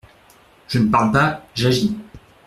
Je ne parle pas, j’agis.